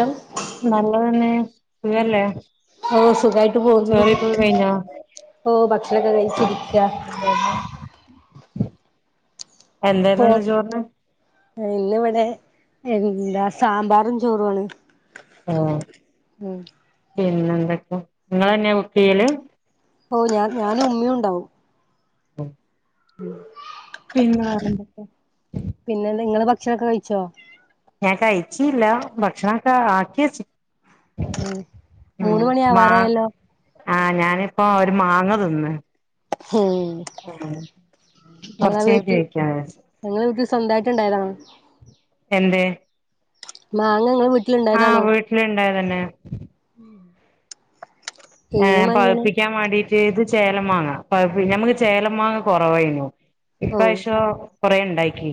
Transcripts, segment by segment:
എന്തോ നല്ലത് തന്നെ സുഖല്ലേ ഓഹ് സുഖായിട്ട് പോകുന്നു ചോറയ്പ്പ് കഴിഞ്ഞോ ഓഹ് ഭക്ഷണൊക്കെ കഴിച്ചിരിക്കുക എന്തായിരുന്നു ഇപ്പൊ എന്തായിരുന്നു ഇന്ന് ചോറിന് ഇന്നിവിടെ എന്താ സാമ്പാറും ചോറും ആണ് ഹെ പിന്നെ എന്തൊക്കെ നിങ്ങളെന്നെയാ കുക്ക് ചെയ്യല് ഓ ഞാൻ ഞാനും ഉമ്മിയും ഉണ്ടാവും ഉം ഉം പിന്നെ വേറെന്തൊക്കാ പിന്നെന്താ നിങ്ങള് ഭക്ഷണൊക്കെ കഴിച്ചോ ഞാൻ കഴിച്ചില്ല ഭക്ഷണം ഒക്ക ആക്കി വച്ച് ഉം മൂന്ന് മണിയാവാറായല്ലോ ആ ഞാനിപ്പോ ഒരു മാങ്ങ തിന്ന് ഉം ആ കൊറച്ച് കൈഞ് കൈകവെച് ഞങ്ങളെ വീട്ടിൽ സ്വന്തമായിട്ട് ഉണ്ടായതാണെ എന്ദ് മാങ്ങ നിങ്ങളെ വീട്ടിലുണ്ടായതാണോ ഇണ്ടായ തന്നെ ഉം ഏ പഴിപ്പിക്കാൻ വേണ്ടിട്ട് ഇത് ചേലം മാങ്ങ പൈപ്പി നമുക്ക് ചേലം മാങ്ങ കുറവായിനു ഓ ഇപാവശ്യം കൊറെ ഉണ്ടായിക്ക്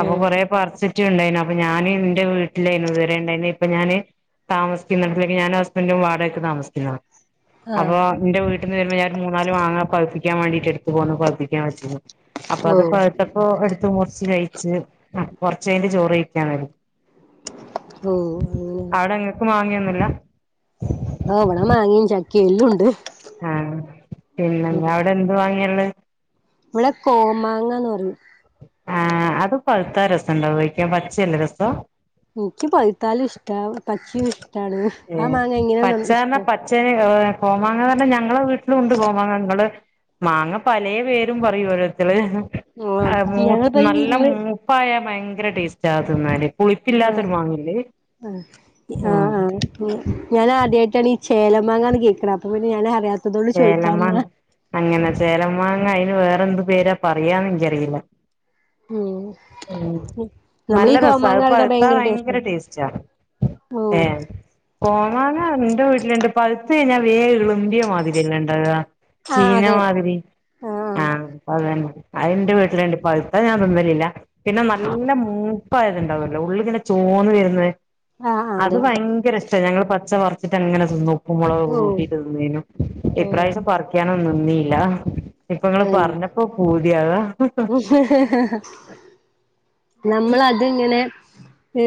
ഏ കൊറേ പറച്ചിട്ട് ഇണ്ടായിരുന്നു അപ്പൊ ഞാൻ എന്റെ വീട്ടിലായിന്നു ഇതുവെരെ ഇണ്ടായിനെ ഇപ്പൊ ഞാന് താമിക്കുന്നുന്നടത്ത് പിന്നെ നാനും ഹസ്ബൻഡും വാടകൊക്ക് താമിക്കുന്ന ആഹ് അപ്പൊ ഇന്റെ വീട്ടിൽന്ന് വരുമ്പോ ഞ മൂന്നാല് മാങ്ങാ പഴുപ്പിക്കാൻ വേണ്ടീട്ട് എടുത്ത് പൊന്നു പഴുപ്പിക്കാൻ വച്ചിരുന്നു അപ്പൊ അത് ഓ പയുത്തപ്പോ എടുത്ത് മുറിച്ച് കഴിച്ചു കൊറച്ചു കൈഞ്ഞ് ചോറ് കഴിക്കാൻ വരും ഹോ ഹോ മാങ്ങയോനുല ആഹ് ഇിവിടെ മാങ്ങ ചക്ക എല്ലാം ഉണ്ട് ആഹ പിന്നെ ഉം നിങ്ങളാട എന്ത് മാങ്ങയുളെ ഇവിടെ കോമാങ്ങ എന്ന് പറയും ആ അത് പഴുത്ത രസം ഉണ്ടാവെകൊ പച്ചയല്ലെ രസം എനിക്ക് പയ്ത്താലും ഇഷ്ടാ പച്ചയും ഇഷ്ടാണ് ആ മാങ്ങ എങ്ങനെയാ ഇഷ്ട പച്ചേ കോമാങ്ങന്ന് പറഞ്ഞെ ഞങ്ങളെ വീട്ടിലും ഉണ്ട് കോമാങ്ങ നിങ്ങള് മാങ്ങ പലെ പേരും പറയും ഓരോരുത്തൽ ആഹ് ആ ഞങ്ങളിപ്പോ നല്ല ഇങ്ങള് മൂപ്പായാ ഭയങ്കര ടേസ്റ്റ് ആഹ് തിനാന്ന് ആഹ് പുളിപ്പില്ലാത്തൊരു മാങ്ങ അല്ലേ ആഹ് ആഹ് ഞാൻ ആദ്യമായിട്ടാണ് ഈ ചേലമാങ്ങന്ന് കേക്കുന്നെ അപ്പൊ പിന്നെ ഞാൻ അറിയാ ചേലമ്മ അങ്ങനെ ചേലമാങ്ങ അയിന് വേറെ എന്ത് പേരാ പറയാന്ന് എനിക്കറിയില്ല ഉം ഉ നല്ല നമ്മളീ രസാ കോമാങ്ങ അഹ് പറയണ പഴുത്താ ഭയങ്കര ടേസ്റ്റാ ഓ ഏ കോമാങ്ങ എൻ്റെ വീട്ടിലുണ്ട് പഴുത് കഴിഞ്ഞാൽ വേഗം ഇളുമ്പിയ മാതിരിയല്ലെ ഇണ്ടാവ ആഹ് ചീഞ്ഞ അതെ മാതിരി ആഹ് അ അതന്നെ അയിന്റെ വീട്ടിലുണ്ട് പഴുത ഞാൻ തിന്നലില്ല പിന്നെ നല്ല മൂ മൂപായത്ണ്ടാവല്ലോ ഉള്ള് ഇങ്ങനെ ചോന്ന് വരുന്നെ ആഹ് ആഹ് അത് അതെ ഭയങ്കര ഇഷ് ഞങ്ങൾ പച്ച പറിച്ചിട്ട് എങ്ങനെ തിന്നും ഉപ്പും മുളക് ഓ കൂട്ടിട്ട് തിന്നും ഓ ഇപ്പ്രാവശ്യം പറിക്കാ നന്നിയില്ല ഇപ്പ നിങ്ങള് പറഞ്ഞപ്പോ പൂതിയാകാ ഹ് ഹ് ഹ്ഹ നമ്മൾ അത്ങ്ങനെ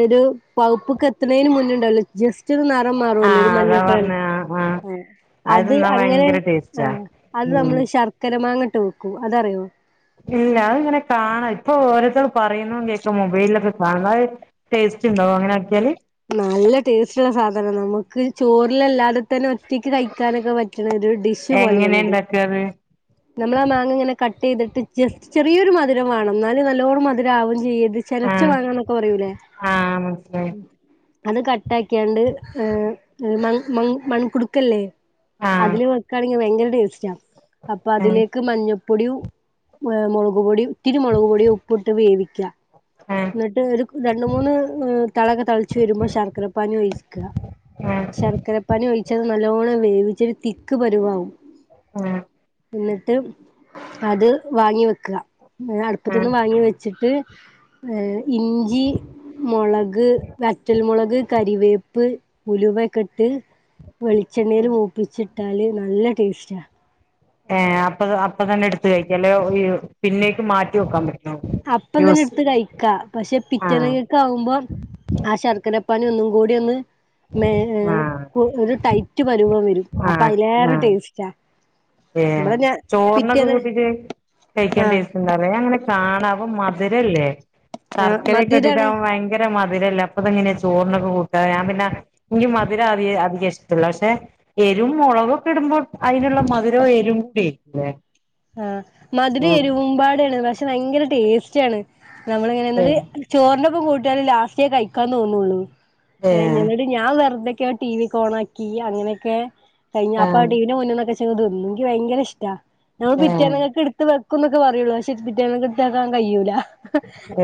ഒരു പയുപ്പ്ക്ക് എത്തണേന് മുന്നുണ്ടല്ലോ ജസ്റ്റ് ഇച്ചിരു നിറം മാറുല്ലോ ഒരു ആഹ് അതാ മഞ്ഞ കളർ പറഞ്ഞെ ആഹ് ആഹ് ആ അത് തിന്നാൻ അങ്ങനെ ഭയങ്കര ആ ടേസ്റ്റാ അത് ഉം നമ്മള് ശർക്കര മാങ്ങട്ട് വെക്കൂ അതറിയോ ഇല്ല അത് ഇങ്ങനെ കാണാം ഇപ്പൊ ഓരോരുത്തർ പറയുന്നതും കേക്കാം മൊബൈലിലൊക്കെ കാണണം അത് ടേസ്റ്റ് ഉണ്ടോ അങ്ങനെ ആക്കിയാല് നല്ല ടേസ്റ്റുള്ള സാധന നമുക്ക് ചോറിൽ അല്ലാതെ തന്നെ ഒറ്റക്ക് കഴിക്കാനൊക്കെ പറ്റ്ണ ഒരു ഡിഷ് എങ്ങനെയ ഇണ്ടാക്ക അത് നമ്മൾ ആ മാങ്ങ ഇങ്ങനെ കട്ട് ചെയ്തിട്ട് ജസ്റ്റ് ചെറിയോരു മധുരം വാണം എന്നാല് നല്ലോണം മധുരം ആവും ചെയ്യര്ത് ചെനച്ച ആഹ് മാങ്ങാന്നൊക്കെ പറയൂലേ ആഹ് മനസ്സിലായി അത് കട്ട ആക്കിയാണ്ട് മങ് മൺ മൺകുടുക്കല്ലേ ആഹ് അതില് വെക്കാണെങ്കി ഭയങ്കര ടേസ്റ്റാ അപ്പ ആഹ് അതിലേക്ക് മഞ്ഞ പ്പൊടിയും മൊളക് പൊടിയും ഇത്തിരി മൊളക് പൊടിയും ഉപ്പം ഇട്ട് വേവിക്ക ഉം എന്നിട്ട് ഒരു രണ്ട് മൂന്ന് തെളക്കെ തെളച്ച് വരുമ്പോ ശർക്കര പാനി ഒഴിക്ക ആഹ് ശർക്കരപ്പാനി ഒഴിച്ചത് നല്ലോണം വേവിച്ച് ഒര് തിക്ക് പരുവാവും ആഹ് എന്നിട്ട് അത് വാങ്ങി വെക്ക ആഹ് അടുപ്പത്ത്ന്ന് വാങ്ങി വെച്ചിട്ട് ഏ ഇഞ്ചി മൊളക് വറ്റൽ മുളക് കരിവേപ്പ് ഉലുവ ക്കെട്ട് വെളിച്ചെണ്ണയില് മൂപ്പിച്ചിട്ടാല് നല്ല ടേസ്റ്റാ ഏ അപ്പം ത അപ്പം തന്നെ എടുത്ത് കഴിക്കല്ലേ പിന്നേക്ക് മാറ്റി വെക്കാൻ പറ്റ് അപ്പം തന്നെ എടുത്ത് കഴിക്കാ പക്ഷെ ആഹ് പിറ്റേന്നെക്കെക്കെ ആവുമ്പം ആ ശർക്കര പ്പനി ഒന്നും കൂടി ഒന്ന് മേ ആഹ് ഒര് ടൈറ്റ് പരുവം വരും അപ്പം അതിലേറെ ടേസ്റ്റാ ഏ ഇവിടെ ഞാൻ ചോറിനൊക്കെ പിറ്റേന്ന് കൂട്ടീട്ട് കഴിക്കാൻ ആഹ് ടേസ്റ്റ് ഉണ്ടവോ ഞാൻ അങ്ങനെക്കെ കാണവം മധുരല്ലേ ആഹ് ശർക്കരയെക്കെ മധുരാണ് ഇട്ടിട്ട്ആവുമ്പം ഭയങ് ഭയങ്കര മധിരല്ലേ അപ്പം അത് എങ്ങനെയാ ചോറിനൊക്കെ കൂട്ട ഞാൻ പിന്നെ എനിക്ക് മധുരം അധിയ അധികം ഇഷ്ടല്ല പക്ഷെ എരുവും മൊളകൊക്കെ ഇടുമ്പോൾ അയിനുള്ള മധു ങ്കര എരുവും പുളിയും ഇല്ലേ ആഹ് മധുരം എരുവമ്പാടെയാണ് പക്ഷെ ഭയങ്കര ടേസ്റ്റാണ് നമ്മള് ഇങ്ങനെയത് ഏഹ് ചോറിനൊപ്പം കൂട്ടിയാലും ലാസ്റ്റേ കഴിക്കാൻ തോന്നുള്ളൂ ഏ ഏഹ് ഞങ്ങടെ ഞാൻ വെറുതെക്കെ ടിവിക്കെ ഓൺ ആക്കി അങ്ങനെയൊക്കെ കഴിഞ്ഞ് ഏഹ് അപ്പം ആ ടി വിൻ്റെ മുന്നീന്നൊക്കെ വെച്ചങ്ങ് തിന്നും എനിക്ക് ഭയങ്കര ഇഷ്ട നമ്മള് ഏഹ് പിറ്റേന്നെക്കെ കിട്ക് ത്ത് വെക്കൂന്നെക്കെ പറയുള്ളൂ പക്ഷെ പിറ്റേന്നക്ക് എടുത്ത് വെക്കാൻ കഴിയൂല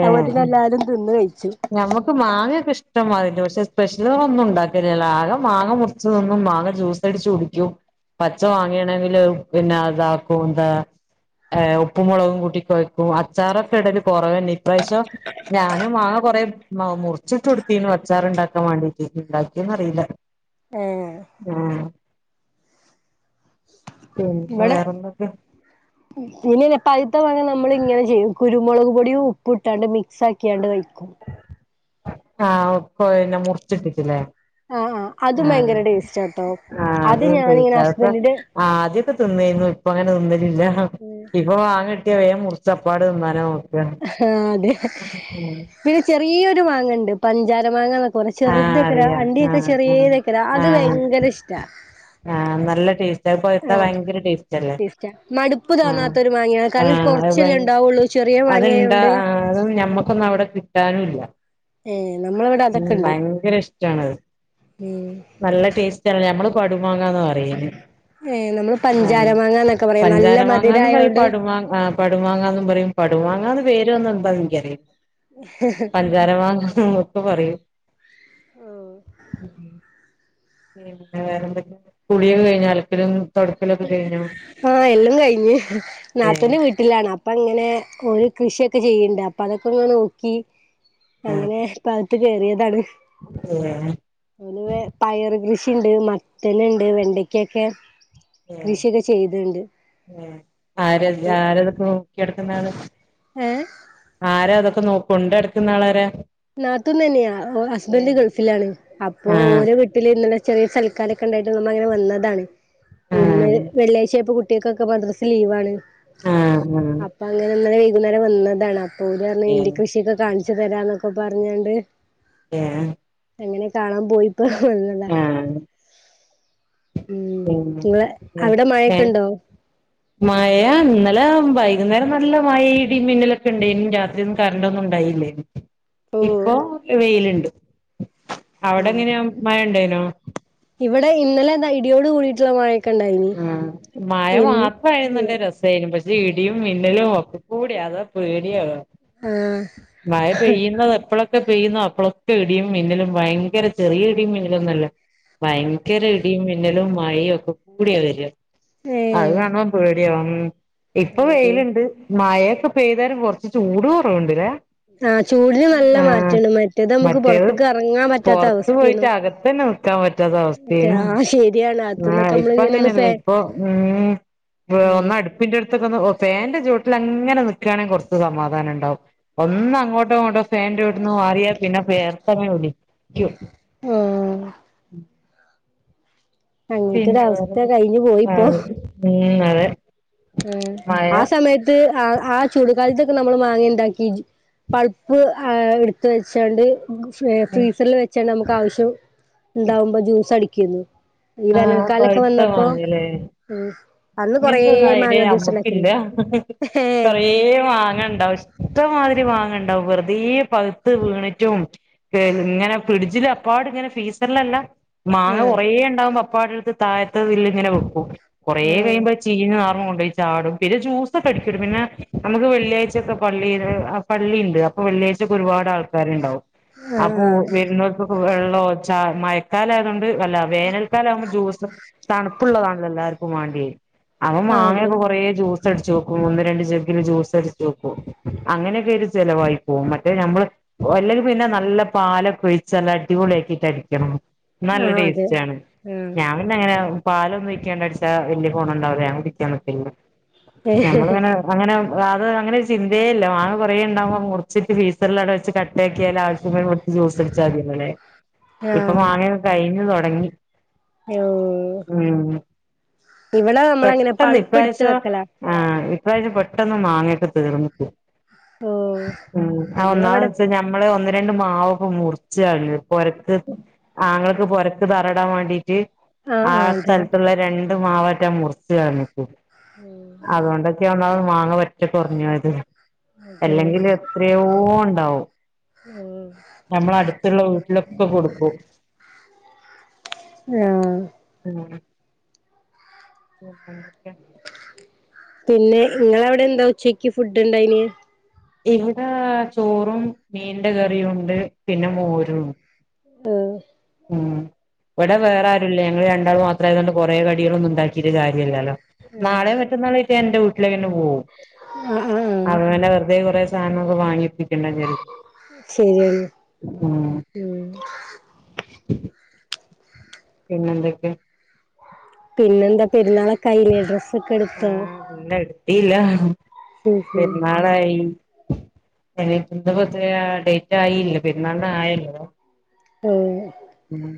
അത്പോൽ തന്നെ എല്ലാരും തിന്ന് കഴിച്ചും പ്പം മാങ്ങൊക്കെ ഇഷ്ടം മാതിരി ഉണ്ട് പക്ഷെ സ്പെഷ്യല്കളൊന്നും ഉണ്ടാക്കലില്ല ആകെ മാങ്ങ മുറിച്ച് തിന്നും മാങ്ങ ജ്യൂസ് സടിച്ച് കുടിക്കും പച്ച മാങ്ങയാണെങ്കില് പിന്നെ ഇതാക്കും എന്താ ഏയ് ഉപ്പും മൊളകും കൂട്ടി കൊയക്കും അച്ചാറൊക്കെ ഇടല് കൊറവെന്നെ ഇപ്രാവശ്യം ഞാനും മാങ്ങ കൊറേ മ മുറിച്ചിട്ട് കൊടുത്തീനു അച്ചാറ് ഉണ്ടാക്കാൻ വേണ്ടി എന്ത് ഉണ്ടാക്കിയോന്ന് അറിയില്ല ഏഹ് ഉം പിന്നെ ഇവിടെ വേറെന്തൊക്കെയാ പിന്നെ ഇല്ലേ പഴ്ത്ത മാങ്ങ നമ്മള് ഇങ്ങനെ ചെയ്യും കുരുമൊളക് പൊടിയും ഉപ്പും ഇട്ടാണ്ട് മിക്സ് ആക്കിയാണ്ട് വെയ്ക്കും ആഹ് ഉപ്പ് പിന്നെ മുറിച്ചിട്ടിട്ട്ല്ലേ ആഹ് ആഹ് അതും ഭയങ്കര ടേസ്റ്റാട്ടോ ആഹ് അത് തേച്ച ഞാനിങ്ങനെ അതിപ്പോ ഹസ്ബൻ്റിൻ്റെ ആദ്യൊക്കെ തിന്നു ആര്ന്നു ഇപ്പം അങ്ങനെ തിന്നലില്ല ഇപ്പൊ മാങ്ങ കിട്ടിയ വേഗം മുറിച്ച് അപ്പാട് തിന്നാന നോക്ക ആഹ് അതെയ ഉം പിന്നെ ചെറിയ്യൊരു മാങ്ങ ഉണ്ട് പഞ്ചാര മാങ്ങന്നൊ പോലെ ആഹ് ചെറുതെക്കര അറിയാം അണ്ടിയൊക്കെ ആഹ് ചെറിയതക്കരാ ആഹ് അത് ആഹ് ഭയങ്കര ഇഷ്ടാ ആഹ് നല്ല ടേസ് അത് പഴ്ത്ത ആഹ് ഭയങ്കര ടേസ്റ്റ് അല്ലേ ടേസ്റ്റാ മടുപ്പ് ആഹ് തോന്നാത്തൊരു മാങ്ങയാണ് കാരണം ആഹ് അത് ഭയ കൊറച്ചല്ലേ ഉണ്ടാവുള്ളൂ ചെറിയ അത്ണ്ടാ മാങ്ങയായോണ്ട് ആഹ് അതും ഞമ്മക്കൊന്നും അവിടെ കിട്ടാനും ഇല്ല ഏഹ് നമ്മളിവിട ഉം ഭയങ്കര ഇഷ്ടാണത് ഉം നല്ല ടേസ്റ്റാണ് ഞമ്മള് പടുമാങ്ങന്ന പറയന് ഏഹ് നമ്മള് ആഹ് പഞ്ചാര മാങ്ങന്നൊക്കെ പറയും നല്ല പഞ്ചാര മാങ്ങാന്ന് പറയും മധുരായോണ്ട് പടുമാങ്ങാ ആഹ് പടുമാങ്ങാന്നും പറയും പടുമാങ്ങാന്ന് പേര് വന്ന എന്താ എനിക്കറി ഖരമാങ്ങാ ഒക്കെ പറയും ഓഹ് ഉം ഉം പിന്നെ വേറെ എന്തൊക്കെയുണ്ട് കുളിയൊക്കെ കഴിഞ്ഞാ അലക്കലും തൊടക്കലൊക്കെ കഴിഞ്ഞോ ആഹ് എല്ലാം കഴിഞ്ഞ് ഏഹ് നാത്തൂന്റെ വീ ട്ടിലാണ് അപ്പ അങ്ങനെ ഓല് കൃഷിയൊക്കെ ചെയ്യണ്ട് അപ്പൊ അതൊക്കെ ഒന്ന് നോക്കി ആഹ് അങ്ങനെ ഇപ്പ അകത്ത് കേറിയതാണ് ഏഹ് എനിവേ പയർ കൃഷിയ്ണ്ട് മത്തന്ണ്ട് വെണ്ടയ്ക്കൊക്കെ ഏഹ് ഏഹ് ആരെ അപ്പൊ ആരെടുക്കും എടക്കുന്ന ആള് ഏഹ് ആരാ ഇതൊക്കെ നോക്കു കൊണ്ടടക്കുന്നളാരാ നാത്തൂൻ തന്നെയാ ഓ ഹസ്ബൻഡ് ഗൾഫിലാണ് അപ്പോ ആഹ് ഓരോ വെ വീട്ടില് ഇന്നലെ ചെറിയൊരു സൽക്കാരൊക്കെ ഉണ്ടായിട്ട് നമ്മെ അങ്ങനെ വന്നതാണ് ഇന്ന് ആഹ് വെള്ളിയാഴ്ച ആയപ്പൊ കു ട്ടിക്കൊക്കെ മദ്രസ ലീവാണ് ആഹ് ആഹ് അപ്പൊ അങ്ങനെ ഇന്നലെ വൈകുന്നേരം വന്നതാണ് അപ്പൊ ഓര് പറഞ്ഞ് ഇൻ്റെ ഏഹ് കൃഷിയൊക്കെ കാണിച്ചു തരാന്നൊക്കെ പറഞ്ഞാണ്ട് ഏഹ് അങ്ങനെ കാണാൻ പോയിപ്പോ വന്നതാ ഉം നിങ്ങളെ വ അവിടെ നേ മഴയൊക്കെ ഉണ്ടോ മയ ഇന്നലെ വൈകുന്നേരം നല്ല മഴ ഇടി മിന്നിലൊക്കെ ഉണ്ടായിനി രാത്രി കരണ്ടൊന്നും ഉണ്ടായില്ലേനി ഓ ഇപ്പോ വെയിലണ്ട് അവിടെ ആഹ് എങ്ങനെയാ മഴ ഉണ്ടേനോ ഇവിടെ ഇന്നലെ ഇത ഇടിയോട് കൂടിയിട്ടുള്ള മഴ ആഹ് മഴ ഇല്ല മാത്രായിരുന്നുന്റെ രസ സനും പക്ഷെ ഇടിയും മിന്നലും ഒക്കെ കൂടിയാ അതാ പേടിയാവാ ആഹ് മയ പെയ്യുന്നത് എപ്പളൊ ക്കെ പെയ്യുന്നോ അപ്പളൊക്കെ ഇടിയും മിന്നലും ഭയങ്കര ചെറിയ ഇടിയും മിന്നലൊന്നല്ല ഭയങ്കര ഇ ടിയും മിന്നലും മഴയും ഒക്കെ കൂടിയ വര അത് ഏഹ് കാണുമ്പോ പേടിയാവും ഇപ്പൊ വെയില്ണ്ട് മഴയൊക്കെ പെയ്തേര കുറച്ച് ചൂട് കുറവുണ്ട്ല്ലേ ആഹ് ചൂടിന് നല്ല ആഹ് മാറ്റണ്ട് മറ്റേത് നമുക്ക് മറ്റേത് പുറത്തേക്ക് ഇറങ്ങാൻ പറ്റാത്ത പുറത്ത് അവസ്ഥേനു പോയിട്ട് അകത്തന്നെ ക്കാപറ്റാത്ത മറ്റേ അവസ്ത്തേനു ആഹ് ശരിയാണ് അകത്തുന്നൊക്കെ ആഹ് പ്പ നമ്മള് ഇങ്ങനെ ഒന്ന് അങ്ങനെൽ ഫാൻ നിൽപ്പൊ ഉം ഉം ഒന്ന് അട് പ്പിന്റെ അടുത്ത് നിൽക്കുമ്പോ ഓ പ്പിൻ്റെട്ത്തക്കന്ന് ഒ ഫാന്റെ ചോട്ടില ങ്ങനെ നിക്കാണെങ്കി കൊർച്ച് സമാധാനണ്ടാവും ഒന്നങ്ങോട്ടോ ങ്ങോട്ടോ ഫാൻ്റെ ചോട്ട്ന്ന് മാറിയാ പിന്നെ വേയർത്തങ്ങനെ ഒലിക്യും ആഹ് പിന്നെ അങ്ങനത്തൊരവസ്ഥ വേറന്തൊ കഴിഞ്ഞു പോയിപ്പോ ആഹ് ഉം അതെ ആഹ് മഴ ആഹ് സമയത്ത് ആഹ് ആഹ് ചൂട് കാൽത്തൊക്കെ നമ്മളെ മാങ്ങേണ്ടാക്കി ജ് പൾപ്പ് ആഹ് എട്ത്ത് വച്ചോണ്ട് മ്ക്ക് ഫ്രീ ഫ്രീസർല് വെച്ചാണ്ട് നംക്ക് ആവശ്യം ണ്ടാവുമ്പോ ജ്യൂസ് അടിക്യുന്നു ഈ ആഹ് വേനൽക്കാലക്കെ പഴുത്ത വന്നപ്പോ മാങ്ങ ല്ലേ ഉം അന്ന് കൊറേ ഇങ്ങനത്തെന്നും ഐഡിയ അന്ന് ജ്യൂസുണ്ടാക്കിലേ ഹേ ഇയ മാങ്ങണ്ടാവു ഇഷ്ട്ടമാതിരി മാങ്ങണ്ടാവും വെറ്തെ പഗ്ത്ത് വീണിറ്റും ഇങ്ങനെ ഫ്രിഡ്ജില് അപ്പാട്ങ്ങനെ ഫീസർലല്ല മാങ്ങ ആഹ് കൊറേ ടാവുമ്പോ അപ്പാടെട്ത്ത് തായത്ത് തില്ലിങ്ങനെ വെക്കും കൊറെ കയുമ്പോ ചീഞ്ഞ്നാറുംകൊണ്ടോയി ചാടും പിൽ ജ്യൂസൊക്കടിക്കൊര് പിന്നെ നമക്ക് വെള്ളിയാചക്കെ പള്ളില് അപള്ളിണ്ട് വെള്ളിയാഴ്ച്ചക്കൊരുപാട് ആൾക്കാര്ണ്ടാവും അപ്പൊ ആഹ് വര്ന്നോൽക്കൊക്കെ വെള്ളോ ചാ മയക്കാലായതോണ്ട് അല്ല വേനൽ ക്കാലാംമ്പോ ജൂസ് തണ്പ്പുള്ളതാൺല്ലോ എല്ലാര്ക്കും വാണ്ട്യേ അങ്ങ് ആഹ് അതെ മാങ്ങ്യക്കെകൊറേ ജ്യൂ സ് അട്ച്ച് വെക്കും ഒന്ന് രണ്ട് ജെഗ്ഗില് ജ്യൂസ്ട്ച്ച് വെക്കും അങ്ങനെക്കെര് ചെലവായി പോവും മറ്റേ നമ്മള് ഒ അല്ലെങ്കി പിന്നെ നല്ല പാലൊക്കൊ ഴിച്ച് നല്ല അടിപൊളിയാക്കിറ്റടിക്യണം നല്ല ആഹ് അതെ ടേസ്റ്റാണ് ആഹ് ഞാപിന്നെങ്ങനെ പാലൊന്നും ഒയ്ക്കാണ്ടടിച്ചാ വല്യ ഗൊണണ്ടാവൂല ഞാ അടിക്യാനിക്കലില്ലാ ഞമ്മള് വേണ അങ്ങനെം ആത് അങ്ങനരു ചിന്തേല്ല മാങ്ങ കൊറേണ്ടാമ്പോ മുർച്ചിട്ട് ഫ്രീസർലവടെച്ച് ക ട്ടേക്യാല് ആവശ്യം വരുമ്പട്ത്ത് ജൂസ് അട്ച്ചാത്യല്ലോലേ ഇപ്പൊ ആഹ് മാങ്ങ്യക്കെ കൈഞ്ഞ് തൊടങ്ങി [unintelligible] ഉം ഇവിടെ നമ്മളങ്ങനെ പെട്ടന്ന് പൾപ്പെടുത്ത് ഇപ്രാശ്യം വെക്കലാ ആഹ് ഇപ്രാശ്യം പെട്ടന്ന് മാങ്ങെക്കെ തീർന്ന്ട്ട് ഓ ഉം ആഹ് നമ്മളവിടെ ഒന്നാമത്ച്ചാ ഞമ്മള് ഒന്ന് രണ്ട് മാവൊകെ മുറിച്ച് കൾഞ്ഞു പൊരക്ക് ആങ്ങളക്ക് പൊരക്ക് തറടാവാണ്ടീട്ട് ആഹ് സ്ഥൽത്ത്ള്ളേ രണ്ട് മാവേറ്റം മുറിച്ച് കൾഞ്ഞിട്ട് അതെ അതൊണ്ടാണ് റ്റ്യ ഒന്നാമത് മാങ്ങ പറ്റേ കൊറഞ്ഞത് അതെ എല്ലെങ്കില് എത്രയോണ്ടാവും ഉം നമ്മള അട്ത്ത്ള്ള വീട്ട്ലൊക്ക കൊടുക്കും ആഹ് ഉം [unintelligible] പിന്നെ ഇങ്ങളവ്ടെന്താ ഉച്ചക്ക് ഫുഡ്ണ്ടാന്യേ ഇവിടെ ചോറും മീന്റെ കറിയുംണ്ട് പിന്നെ മോരും ആഹ് ഉം വടെ വേറാരുല്യ ഞങ്ങള് രണ്ടാളു മാത്രായതോണ്ട് കൊറെ കടിളൊന്നും ണ്ടാക്കി ക്കിറ്റ് കാര്യല്യലോ നാളെ മറ്റന്നാളായ്റ്റ് എന്റെ വീട്ട്ലേന്നോം പോവും ആഹ് ആഹ് ആഹ് അങ്ങനെ വെറ്തെ കൊറെേ സാനങ്ങള് വാങ്ങിപ്പിക്കണ്ടാന്ന് കര് ശരിയാണ് ഉം പിന്നെന്തൊക്കെ. പിന്നെന്താ പെരുന്നാളെക്കായീലെ ഡ്രസ്സൊക്കെടുത്തോ? ആഹ് ഇല്ല എട്ത്തീല്ല ഹ്ം ഉം പെരുന്നാളായി. [unintelligible] ഡേറ്റ് ആയില്ലാ പെര്ന്നാളിന് ആയല്ലോ. ആഹ്. മ്ം.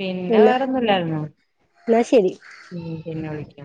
പിന്നെ എന്നാ വേറൊന്നുല്ലായിരുന്നു, എന്നാ ശരി ഉം പിന്നെ വിളിക്കാ.